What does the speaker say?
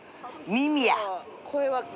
耳や。